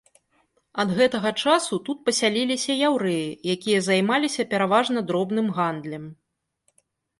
Ад гэтага часу тут пасяліліся яўрэі, якія займаліся пераважна дробным гандлем.